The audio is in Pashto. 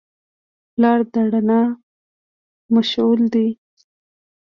پلار د رڼا مشعل دی.